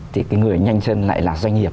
thì cái người nhanh chân lại là doanh nghiệp